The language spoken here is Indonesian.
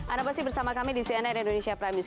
ada pasti bersama kami di cnn indonesia prime news